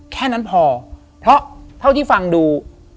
แค่นั้นพอเพราะเท่าที่ฟังดู